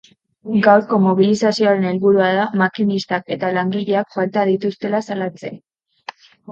Gaurko mobilizazioen helburua da makinistak eta langileak falta dituztela salatzea.